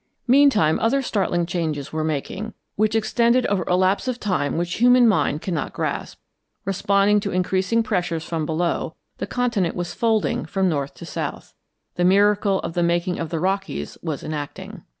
Meantime other startling changes were making which extended over a lapse of time which human mind cannot grasp. Responding to increasing pressures from below, the continent was folding from north to south. The miracle of the making of the Rockies was enacting.